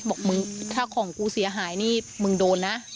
บอกมึงถ้าของกูเสียหายนี่มึงโดนนะ